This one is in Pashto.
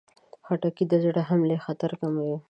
خټکی د زړه حملې خطر کموي.